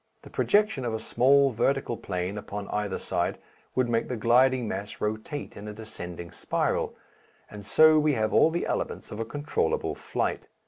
The projection of a small vertical plane upon either side would make the gliding mass rotate in a descending spiral, and so we have all the elements of a controllable flight.